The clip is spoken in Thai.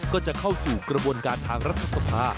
ก็จะเข้าสู่กระบวนการทางรัฐสภา